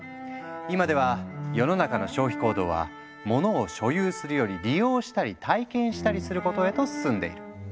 今では世の中の消費行動はモノを「所有する」より「利用したり体験したりする」ことへと進んでいる。